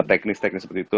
teknis teknis seperti itu